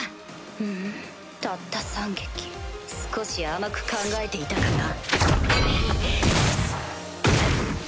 ふんたった３撃少し甘く考えていたかな。